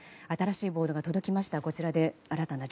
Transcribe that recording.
新しいボードが届きました。